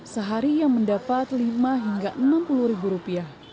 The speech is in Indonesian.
sehari ia mendapat lima hingga enam puluh ribu rupiah